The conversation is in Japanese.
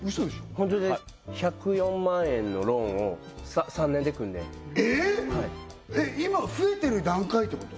ホントです１０４万円のローンを３年で組んでえっ今増えてる段階ってこと？